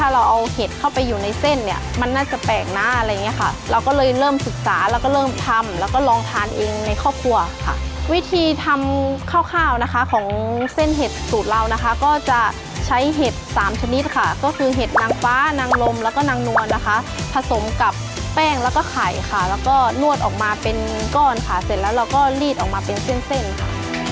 เราก็เลยเริ่มศึกษาแล้วก็เริ่มทำแล้วก็ลองทานเองในครอบครัวค่ะวิธีทำข้าวข้าวนะคะของเส้นเห็ดสูตรเรานะคะก็จะใช้เห็ดสามชนิดค่ะก็คือเห็ดนางฟ้านางลมแล้วก็นางนวลนะคะผสมกับแป้งแล้วก็ไข่ค่ะแล้วก็นวดออกมาเป็นก้อนค่ะเสร็จแล้วเราก็รีดออกมาเป็นเส้นเส้นค่ะ